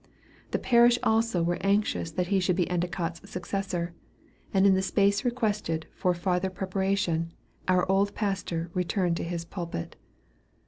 The parish also were anxious that he should be Endicott's successor; and in the space requested for farther preparation, our old pastor returned to his pulpit.